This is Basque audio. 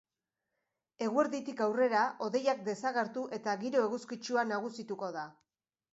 Eguerditik aurrera hodeiak desagertu eta giro eguzkitsua nagusituko da.